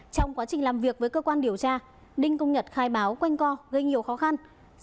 trong quá trình làm việc với cơ quan điều tra đinh công nhật khai báo quanh co gây nhiều khó khăn